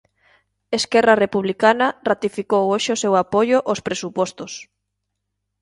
Esquerra Republicana ratificou hoxe o seu apoio aos presupostos.